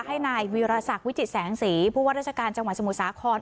ให้นายวีรศักดิ์วิจิตแสงสีผู้ว่าราชการจังหวัดสมุทรสาคร